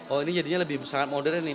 oh ini jadinya lebih sangat modern nih